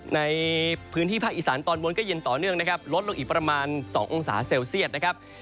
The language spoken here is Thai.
ในพื้นที่ภาคอีสานตอนบนก็เย็นต่อเนื่องนะครับลดลงอีกประมาณ๒องศาเซลเซียตนะครับ